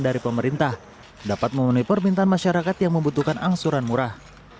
dari pemerintah dapat memenuhi permintaan masyarakat yang membutuhkan angsuran murah